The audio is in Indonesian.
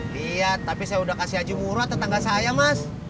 lihat tapi saya udah kasih haji mura tetangga saya mas